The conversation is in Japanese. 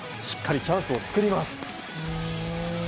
しっかりチャンスを作ります。